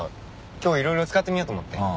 今日いろいろ使ってみようと思って。